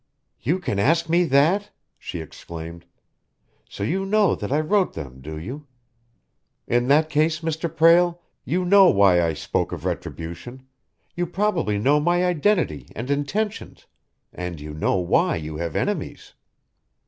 "You can ask me that!" she exclaimed. "So you know that I wrote them, do you? In that case, Mr. Prale, you know why I spoke of retribution, you probably know my identity and intentions, and you know why you have enemies!"